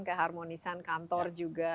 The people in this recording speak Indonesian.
keharmonisan kantor juga